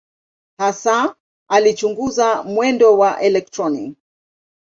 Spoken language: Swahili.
Hasa alichunguza mwendo wa elektroni.